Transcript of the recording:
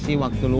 kang boleh ketemu